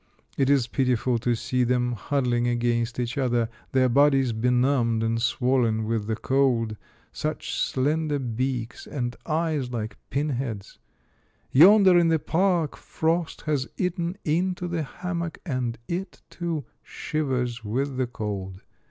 It is pitiful to see them huddling against each other, their bodies benumbed and swollen with the cold, — such slender beaks, and eyes like pin heads. Yonder, in the park, frost has eaten into the ham mock, and it, too, shivers with the cold.